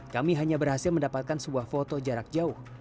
kami hanya berhasil mendapatkan sebuah foto jarak jauh